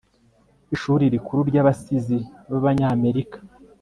ishuri rikuru ry'abasizi b'abanyamerika